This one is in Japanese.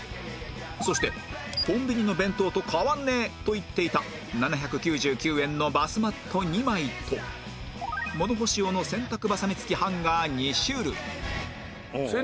そして「コンビニの弁当とかわんねえ」と言っていた７９９円のバスマット２枚と物干し用の洗濯バサミ付きハンガー２種類